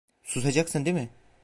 Susacaksın değil mi?